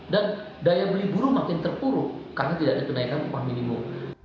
dan daya beli buruh makin terpuruk karena tidak ada kenaikan upah minimum